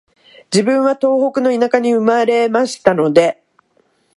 自分は東北の田舎に生まれましたので、